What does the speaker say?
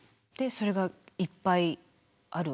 それがいっぱいある。